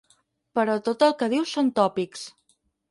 Però tot el que diu són tòpics.